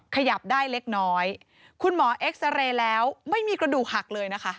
ขยับได้เล็กน้อยคุณหมอเอ็กซาเรย์แล้วไม่มีกระดูกหักเลยนะคะ